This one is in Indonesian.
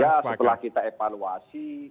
ya tentu saja setelah kita evaluasi